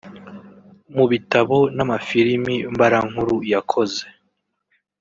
Mu bitabo n’amafilimi mbarankuru yakoze